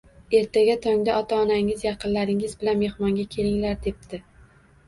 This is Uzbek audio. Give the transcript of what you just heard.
Ertaga tongda ota-onangiz, yaqinlaringiz bilan mehmonga kelinglar, debdi